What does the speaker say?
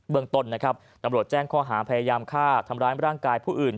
เมืองต้นนะครับตำรวจแจ้งข้อหาพยายามฆ่าทำร้ายร่างกายผู้อื่น